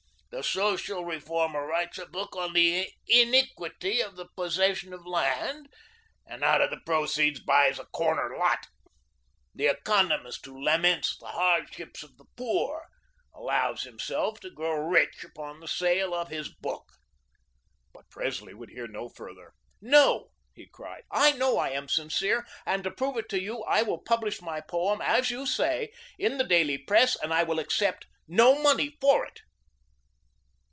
The social reformer writes a book on the iniquity of the possession of land, and out of the proceeds, buys a corner lot. The economist who laments the hardships of the poor, allows himself to grow rich upon the sale of his book." But Presley would hear no further. "No," he cried, "I know I am sincere, and to prove it to you, I will publish my poem, as you say, in the daily press, and I will accept no money for it."